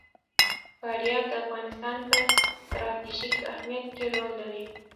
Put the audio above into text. فاریاب د افغانستان په ستراتیژیک اهمیت کې رول لري.